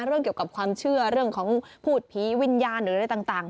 เรื่องเกี่ยวกับความเชื่อเรื่องของพูดผีวิญญาณหรืออะไรต่าง